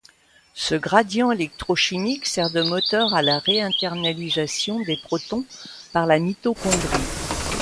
Ce gradient électrochimique sert de moteur à la réinternalisation des protons par la mitochondrie.